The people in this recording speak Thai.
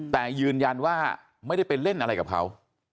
แต่ยืนยันว่าไม่ได้ไปเล่นอะไรกับเขา